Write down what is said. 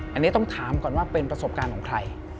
อันนี้ต้องถามก่อนว่าเป็นประสบการณ์ของใคร